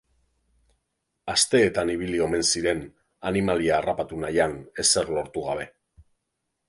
Asteetan ibili omen ziren animalia harrapatu nahian ezer lortu gabe.